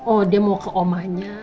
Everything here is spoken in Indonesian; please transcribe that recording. oh dia mau ke omanya